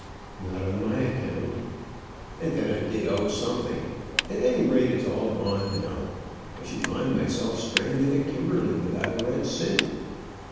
"Not on my account." "And then I did owe something. At any rate, it's all gone now. I should find myself stranded at Kimberley without a red cent."